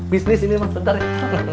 bisnis ini mas bentar ya